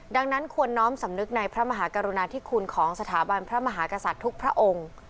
ดังนั้นควรน้อมสำนึกในพระมหากรุณาธิคุณของสถาบันพระมหากษัตริย์ทุกพระองค์